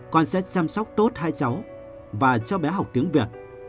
con sẽ chăm sóc tốt hai cháu và cho bé học tiếng việt